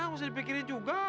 gak usah dipikirin juga